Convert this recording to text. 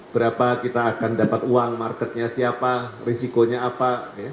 berapa kita akan dapat uang marketnya siapa risikonya apa